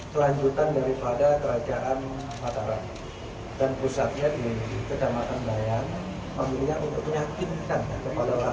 selanjutnya daripada kerajaan mataram dan pusatnya di kedamaian bayang